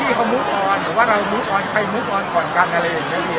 นี่ผมดูพอมันพยายามผละล่อต้องไว้น่าจะเสียคนสิบ